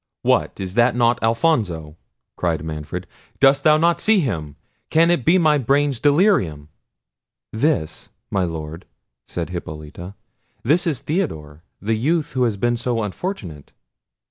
"What, is not that Alfonso?" cried Manfred. "Dost thou not see him? can it be my brain's delirium?" "This! my Lord," said Hippolita; "this is Theodore, the youth who has been so unfortunate."